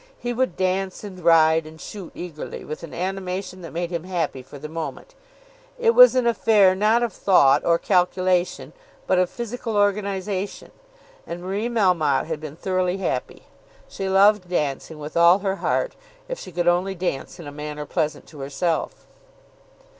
He would dance, and ride, and shoot eagerly, with an animation that made him happy for the moment. It was an affair not of thought or calculation, but of physical organisation. And Marie Melmotte had been thoroughly happy. She loved dancing with all her heart if she could only dance in a manner pleasant to herself.